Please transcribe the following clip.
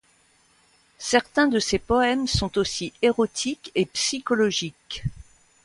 Certains de ses poèmes sont aussi érotiques et psychologiques.